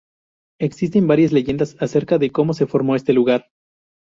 Existen varias leyendas acerca de cómo se formó este lugar.